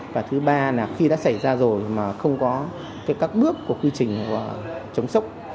và thứ ba là khi đã xảy ra rồi mà không có các bước của quy trình chống sốc